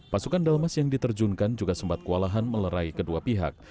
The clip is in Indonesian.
pasukan dalmas yang diterjunkan juga sempat kewalahan melerai kedua pihak